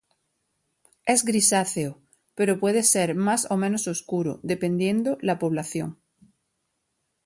Es grisáceo, pero puede ser más o menos oscuro, dependiendo la población.